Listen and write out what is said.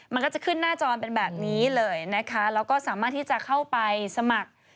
มันก็จะขึ้นหน้าจอเป็นแบบนี้เลยนะคะแล้วก็สามารถที่จะเข้าไปสมัคร